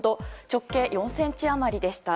直径４ｃｍ余りでした。